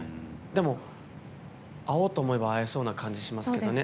でも、会おうと思えば会えそうな感じしそうですけどね。